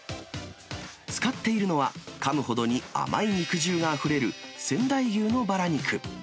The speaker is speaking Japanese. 使っているのは、かむほどに甘い肉汁があふれる仙台牛のバラ肉。